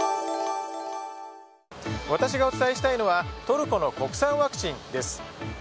私がお伝えしたいのはトルコの国産ワクチンです。